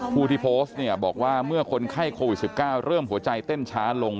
ผู้ที่โพสต์เนี่ยบอกว่าเมื่อคนไข้โควิด๑๙เริ่มหัวใจเต้นช้าลง